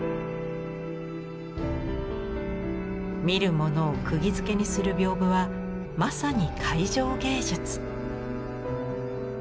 見る者をくぎづけにする屏風はまさに会場芸術。